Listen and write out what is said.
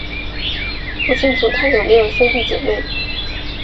不清楚他有没有兄弟姊妹。